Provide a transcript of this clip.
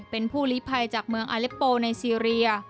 เป็นผู้ลิภัยจากเมืองอาเล็ปโปในซีเรีย